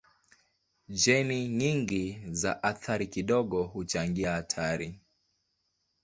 Jeni nyingi za athari kidogo huchangia hatari.